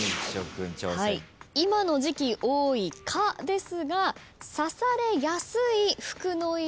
今の時季多い蚊ですが。